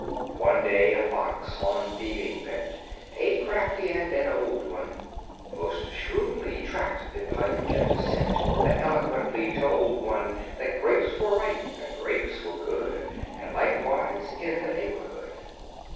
One day a fox, on thieving bent, A crafty and an old one, Most shrewdly tracked the pungent scent That eloquently told one That grapes were ripe and grapes were good And likewise in the neighborhood.